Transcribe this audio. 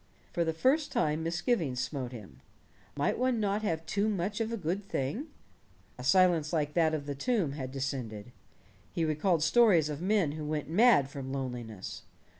For the first time misgivings smote him. Might one not have too much of a good thing? A silence like that of the tomb had descended. He recalled stories of men who went mad from loneliness.